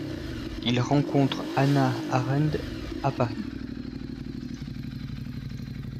Il rencontre Hannah Arendt à Paris.